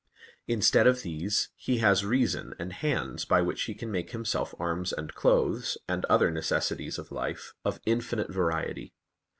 Instead of these, he has reason and hands whereby he can make himself arms and clothes, and other necessaries of life, of infinite variety.